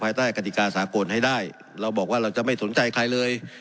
ใต้กฎิกาสากลให้ได้เราบอกว่าเราจะไม่สนใจใครเลย